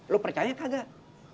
lu percaya kagak